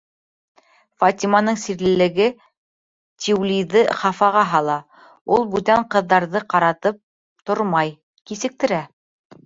Фатиманың сирлелеге Тиулиҙы хафаға һала, ул бүтән ҡыҙҙарҙы ҡаратып тормай, кисектерә.